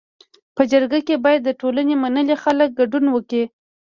په جرګه کي باید د ټولني منلي خلک ګډون وکړي.